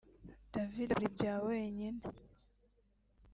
David akora ibya wenyine